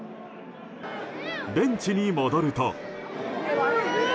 ベンチに戻ると。